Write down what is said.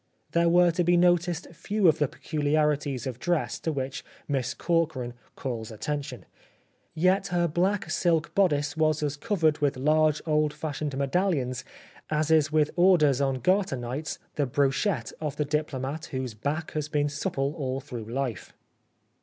There were to be noticed few of the peculiarities of dress to which Miss Corkran calls attention. Yet her black silk bodice was as covered with large old fashioned medallions as is with orders on Garter nights the brochette of the diplomat whose back has been supple all through life.